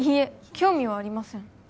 興味はありません